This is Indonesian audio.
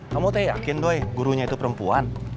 kamu tak yakin doi gurunya itu perempuan